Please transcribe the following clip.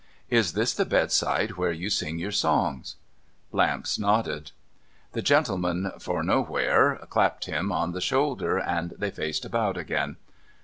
' Is this the bedside where you sing your songs ?' Lamps nodded. FITS AND MISFITS 429 The gentleman for Nowhere clapped him on the shoulder, and they faced about again.